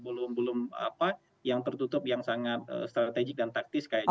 belum belum apa yang tertutup yang sangat strategik dan taktis kayak gitu